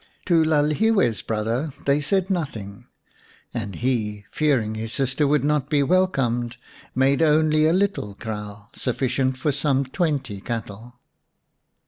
To Lalhiwe's brother they said nothing ; and he, fearing his sister would not be welcomed, made only a little kraal, sufficient for some twenty cattle.